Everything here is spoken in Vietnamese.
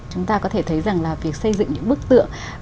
chúng ta có thể thấy rằng là việc xây dựng những bức tượng